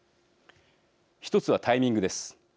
１つはタイミングです。